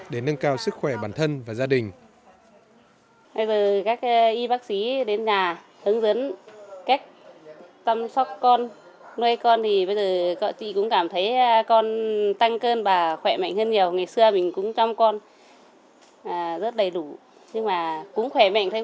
để nâng cao sức khỏe bản thân và gia đình